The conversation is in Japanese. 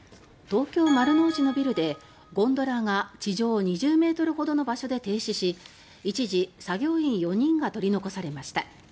東京・丸の内のビルでゴンドラが地上２０ｍほどの場所で停止し一時、作業員４人が取り残されました。